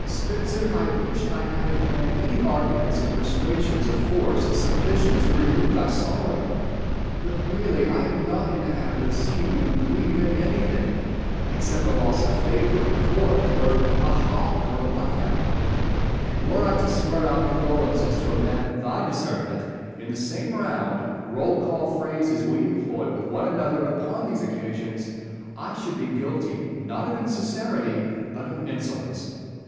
Essex. Spenser ! I wish I had at hand any arguments or persuasions of force sufficient to remove thy sorrow ; but, really, I am not in the habit of seeing men grieve at anything except the loss of favour at court, or of a ESSEX AND SPENSER. 103 hawk, or of a buck hound. And were I to swear out condol ences to a man of thy discernment, in the same round, roll call phrases we employ with one another upon these occasions, I should be guilty, not of insincerity, but of insolence.